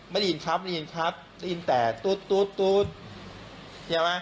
ไม่ได้ยินครับไม่ได้ยินครับได้ยินแต่ตุ๊ดตุ๊ดตุ๊ดเห็นไหม